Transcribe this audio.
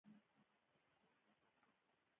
ایا زه مساج کولی شم؟